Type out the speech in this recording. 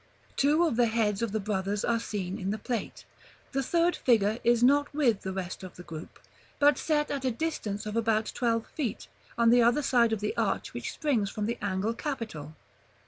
Two of the heads of the brothers are seen in the Plate; the third figure is not with the rest of the group, but set at a distance of about twelve feet, on the other side of the arch which springs from the angle capital. § XL.